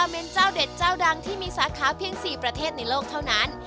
เป็นเจ้าเด็ดเจ้าดังที่มีสาขาเพียง๔ประเทศในโลกเท่านั้น